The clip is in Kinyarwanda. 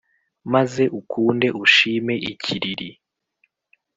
maze ukunde ushime ikiriri